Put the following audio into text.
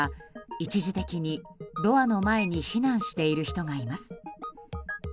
一時的にドアの前に避難している人がいます。